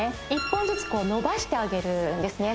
１本ずつ伸ばしてあげるんですね